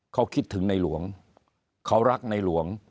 เขาคิดถึงในหลวงเขารักในหลวง